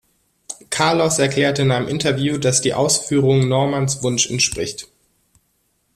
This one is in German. Carlos erklärte in einem Interview, dass die Ausführung Normans Wunsch entspricht.